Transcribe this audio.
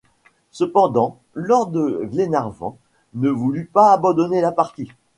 Cependant Lord Glenarvan ne voulut pas abandonner la partie.